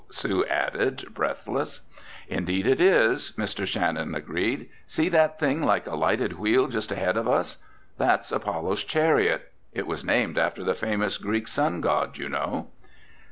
Sue added, breathless. "Indeed, it is," Mr. Shannon agreed. "See that thing like a lighted wheel just ahead of us? That's Apollo's Chariot. It was named after the famous Greek sun god, you know."